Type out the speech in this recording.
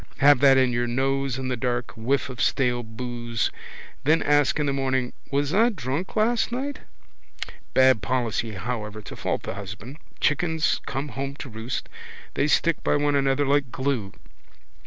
Have that in your nose in the dark, whiff of stale boose. Then ask in the morning: was I drunk last night? Bad policy however to fault the husband. Chickens come home to roost. They stick by one another like glue.